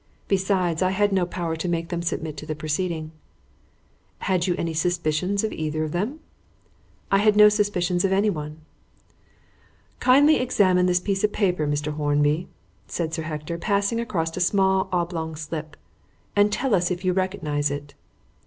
Besides, I had no power to make them submit to the proceeding." "Had you any suspicions of either of them?" "I had no suspicions of anyone." "Kindly examine this piece of paper, Mr. Hornby," said Sir Hector, passing across a small oblong slip, "and tell us if you recognise it."